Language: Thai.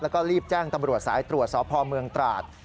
แล้วก็รีบแจ้งตำรวจสายตรวจสพเมืองตราด